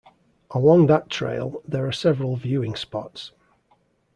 Along that trail, there are several viewing spots.